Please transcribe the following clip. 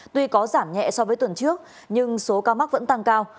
tuy có giảm nhẹ so với tuần trước nhưng số ca mắc vẫn tăng cao